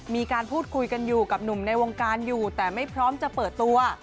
มีการพูดคุยกันอยู่กับหนุ่มในวงการอยู่แต่ไม่พร้อมจะเปิดตัว